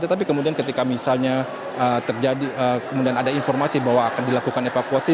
tetapi kemudian ketika misalnya terjadi kemudian ada informasi bahwa akan dilakukan evakuasi